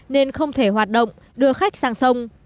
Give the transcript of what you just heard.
nên không thể hoạt động đưa khách sang sông